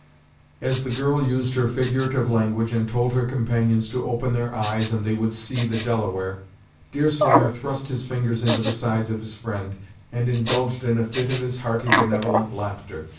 As the girl used her figurative language and told her companions to "open their eyes, and they would see" the Delaware, Deerslayer thrust his fingers into the sides of his friend, and indulged in a fit of his hearty, benevolent laughter.